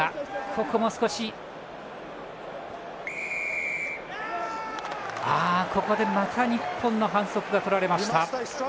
ここでまた日本の反則がとられました。